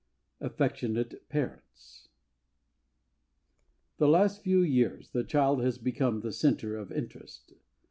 AFFECTIONATE PARENTS The last few years the child has become the centre of interest.